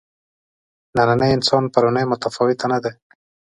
نننی انسان پروني متفاوته نه دي.